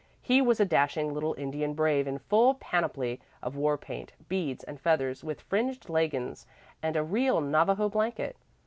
He was a dashing little Indian brave in full panoply of war paint, beads, and feathers, with fringed leggins and a real Navajo blanket.